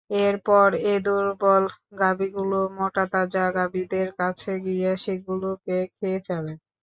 এরপর এ দুর্বল গাভীগুলো মোটাতাজা গাভীদের কাছে গিয়ে সেগুলোকে খেয়ে ফেলে।